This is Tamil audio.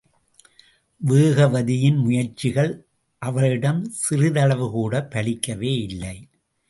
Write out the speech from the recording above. வேகவதியின் முயற்சிகள் அவளிடம் சிறிதளவுகூடப் பலிக்கவே இல்லை.